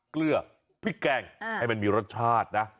เกลือพริกแกงให้มันมีรสชาตินะ